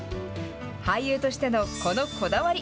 俳優としてのこのこだわり。